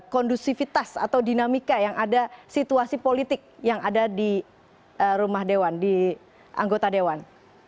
kondusivitas atau dinamika yang ada situasi politik yang ada di rumah dewan di anggota dewan